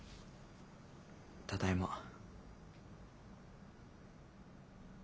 ただいま。